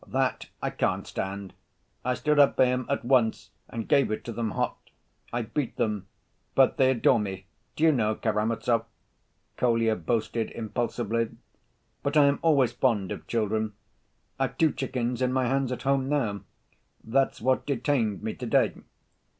That I can't stand. I stood up for him at once, and gave it to them hot. I beat them, but they adore me, do you know, Karamazov?" Kolya boasted impulsively; "but I am always fond of children. I've two chickens in my hands at home now—that's what detained me to‐day.